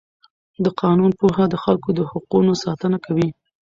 د قانون پوهه د خلکو د حقونو ساتنه کوي.